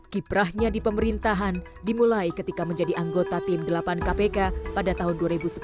kiprahnya di pemerintahan dimulai ketika menjadi anggota tim delapan kpk pada tahun dua ribu sepuluh